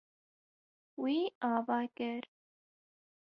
Wî ava kir.